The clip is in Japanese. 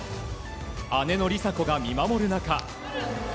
姉の梨紗子が見守る中。